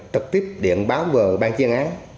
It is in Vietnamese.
trực tiếp điện báo vờ ban chuyên án